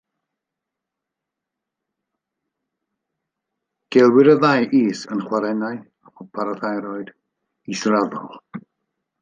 Gelwir y ddau is yn chwarennau parathyroid israddol.